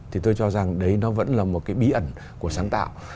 thì tôi cho rằng đấy nó vẫn là một cái bí ẩn của sáng tạo